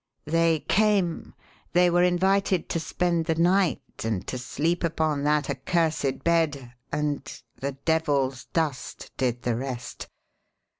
They came, they were invited to spend the night and to sleep upon that accursed bed, and the devil's dust did the rest.